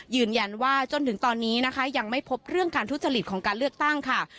ยืนยันว่าจนถึงตอนนี้นะคะยังไม่พบเรื่องการทุจริตของการเลือกตั้งค่ะ